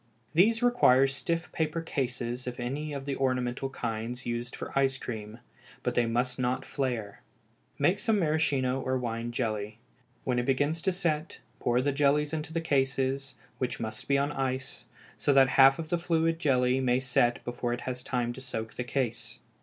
_ These require stiff paper cases of any of the ornamental kinds used for ice cream, but they must not flare. Make some maraschino or wine jelly. When it begins to set, pour the jelly into the cases, which must be on ice, so that half the fluid jelly may set before it has time to soak the case.